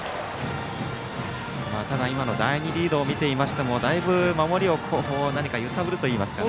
ただ、今の第２リードを見ていましてもだいぶ守りを揺さぶるといいますか。